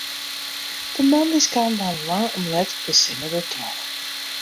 De moandeis kaam dan lang om let de sinne dertroch.